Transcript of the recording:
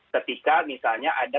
ketika misalnya ada